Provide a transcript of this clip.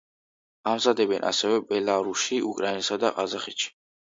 ამზადებენ ასევე ბელარუსში, უკრაინასა და ყაზახეთში.